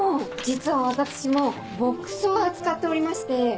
実は私もボックスを扱っておりまして。